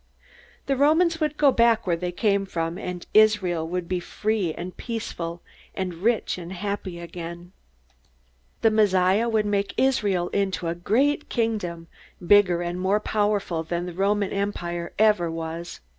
The Romans would go back where they came from, and Israel would be free and peaceful and rich and happy again. The Messiah would make Israel into a great kingdom, bigger and more powerful than the Roman Empire ever was.